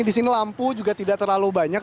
di sini lampu juga tidak terlalu banyak